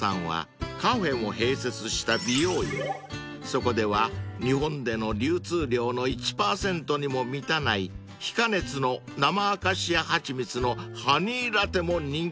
［そこでは日本での流通量の１％にも満たない非加熱の生アカシア蜂蜜のハニーラテも人気だとか］